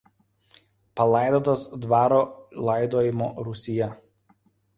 Palaidotas dvaro laidojimo rūsyje.